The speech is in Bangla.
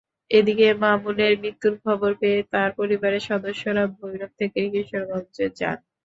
এদিকে মামুনের মৃত্যুর খবর পেয়ে তাঁর পরিবারের সদস্যরা ভৈরব থেকে কিশোরগঞ্জে যান।